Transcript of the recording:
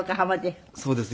そうですね。